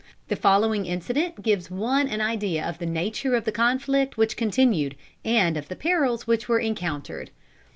The following incident gives one an idea of the nature of the conflict which continued, and of the perils which were encountered.